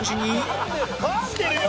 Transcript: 噛んでるよ！